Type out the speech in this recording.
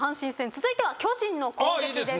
続いては巨人の攻撃です。